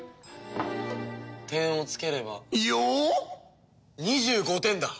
点をつければ２５点だ！